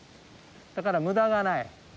だから無駄がない。